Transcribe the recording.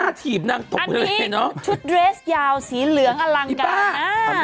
อันนี้ชุดเดรสยาวสีเหลืองอลังการ